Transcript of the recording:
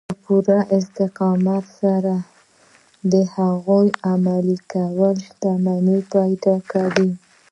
په پوره استقامت سره د هغو عملي کول شتمني پيدا کوي.